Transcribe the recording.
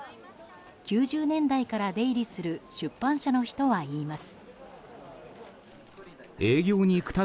９０年代から出入りする出版社の人は言います。